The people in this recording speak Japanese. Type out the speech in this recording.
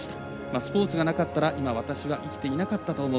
スポーツがなかったら今、私は生きていなかったと思う。